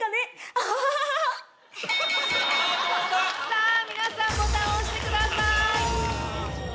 さぁ皆さんボタンを押してください。